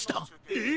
えっ？